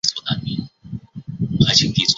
这可以触发核糖体移码。